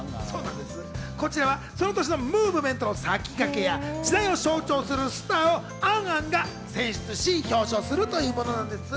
こちらはその年のムーブメントの先駆けや時代を象徴するスターを『ａｎ・ａｎ』が選出し、表彰するというものなんです。